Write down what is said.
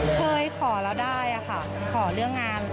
เคยขอแล้วได้ค่ะขอเรื่องงาน